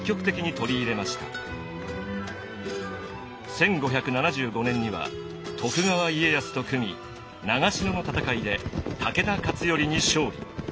１５７５年には徳川家康と組み長篠の戦いで武田勝頼に勝利。